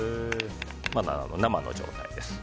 まだ生の状態です。